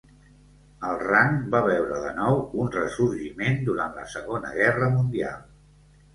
El rang va veure de nou un ressorgiment durant la segona guerra mundial.